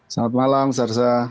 selamat malam sarja